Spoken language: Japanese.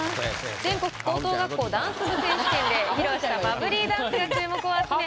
全国高等学校ダンス部選手権で披露したバブリーダンスが注目を集め